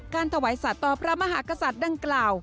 ถวายสัตว์ต่อพระมหากษัตริย์ดังกล่าว